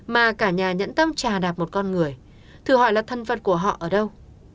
mà cả nhà nhẫn tâm trà đạp một con người thử hỏi là thân vật của họ ở đâu